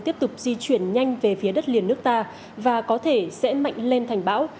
tiếp tục di chuyển nhanh về phía đất liền nước ta và có thể sẽ mạnh lên thành bão